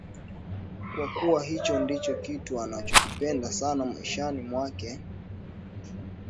kwa kuwa hicho ndicho kitu anachokipenda sana maishani mwakeNikisafiri iwe kwa ndege au